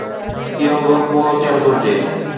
اهو به پورو ٿيڻ گهرجي.